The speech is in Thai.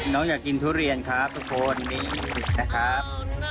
น้องอยากกินทุเรียนครับทุกคนนะครับ